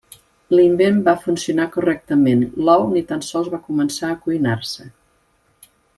L'invent va funcionar correctament, l'ou ni tan sols va començar a cuinar-se.